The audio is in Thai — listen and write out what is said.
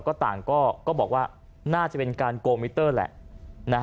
ก็ต่างก็บอกว่าน่าจะเป็นการโกมิเตอร์แหละ